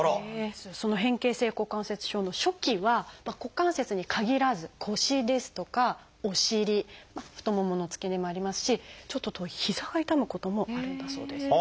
その変形性股関節症の初期は股関節に限らず腰ですとかお尻太ももの付け根もありますしちょっと遠いひざが痛むこともあるんだそうです。